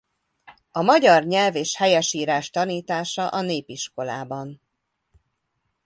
A magyar nyelv és helyesírás tanítása a népiskolában.